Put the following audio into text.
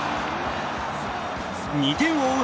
２点を追う